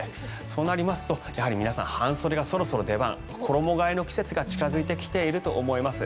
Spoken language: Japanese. そうなりますと皆さん半袖が出番、衣替えの季節が近付いてきていると思います。